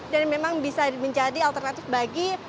dan memang bisa menjadi alternatif bagi masyarakat